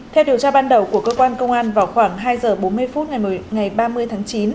theo điều tra ban đầu của cơ quan công an vào khoảng hai giờ bốn mươi phút ngày ba mươi tháng chín